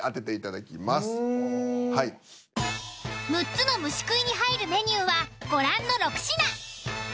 ６つの虫食いに入るメニューはご覧の６品。